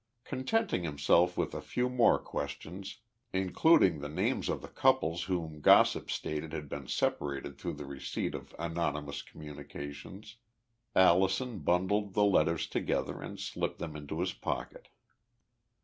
Contenting himself with a few more questions, including the names of the couples whom gossip stated had been separated through the receipt of anonymous communications, Allison bundled the letters together and slipped them into his pocket.